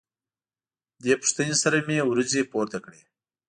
دې پوښتنې سره مې وروځې پورته کړې.